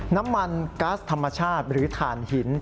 น้ำมันก๊าซธรรมชาติหรือถ่านหิน